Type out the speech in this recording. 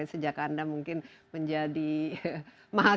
sejak anda mungkin menjadi mahasiswa